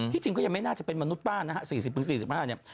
ที่จริงก็ยังไม่น่าจะเป็นมนุษย์บ้านนะฮะสี่สิบถึงสี่สิบห้าปี